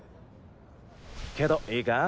けどいいか？